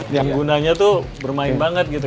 penggunanya tuh bermain banget gitu